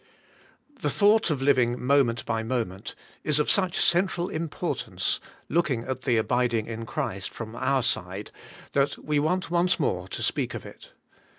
THE thought of living moment by moment is of such central importance — looking at the abiding in Christ from our side—that we want once more to speak of it.